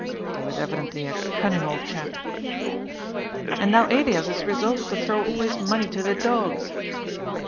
He was evidently a cunning old chap." And now Elias is resolved to throw all his money to the dogs."